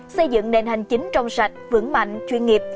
xây dựng nền hành chính trong sạch vững mạnh chuyên nghiệp